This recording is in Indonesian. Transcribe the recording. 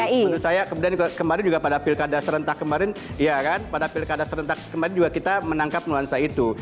menurut saya kemudian kemarin juga pada pilkada serentak kemarin ya kan pada pilkada serentak kemarin juga kita menangkap nuansa itu